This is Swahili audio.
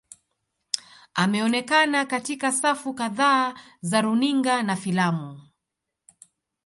Ameonekana katika safu kadhaa za runinga na filamu.